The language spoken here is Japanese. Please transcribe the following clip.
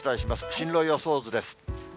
進路予想図です。